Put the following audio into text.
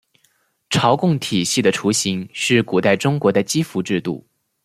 朝贡体系的雏形是古代中国的畿服制度。